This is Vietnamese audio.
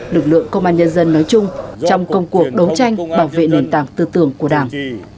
lực lượng công an nhân dân nói chung trong công cuộc đấu tranh bảo vệ nền tảng tư tưởng của đảng